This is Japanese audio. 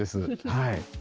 はい。